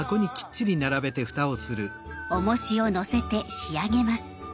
おもしをのせて仕上げます。